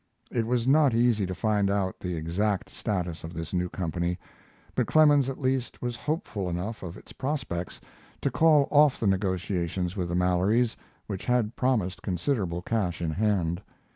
It was not easy to find out the exact status of this new company, but Clemens at least was hopeful enough of its prospects to call off the negotiations with the Mallorys which had promised considerable cash in hand.